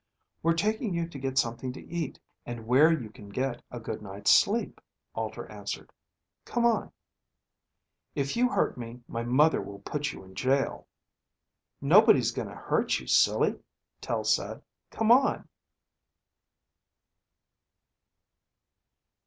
"We're taking you to get something to eat and where you can get a good night's sleep," Alter answered. "Come on." "If you hurt me, my mother will put you in jail." "Nobody's going to hurt you, silly," Tel said. "Come on."